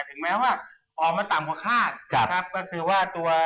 ถึงแม้ว่าออกมาต่ำกว่าคาดนะครับก็คือว่าตัว